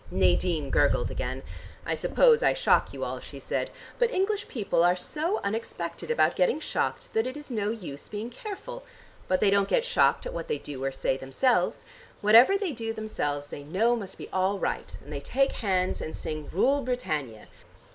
Nadine gurgled again. "I suppose I shock you all," she said; "but English people are so unexpected about getting shocked that it is no use being careful. But they don't get shocked at what they do or say themselves. Whatever they do themselves they know must be all right, and they take hands and sing 'Rule Britannia.'